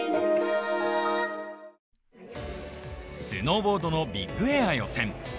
スノーボードのビッグエア予選。